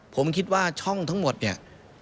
ผมคิดว่าช่องทั้งหมดเนี่ย